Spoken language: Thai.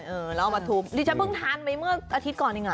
เออแล้วเอามาทุบดิฉันเพิ่งทานไปเมื่ออาทิตย์ก่อนเองอ่ะ